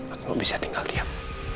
aku bisa tinggal diam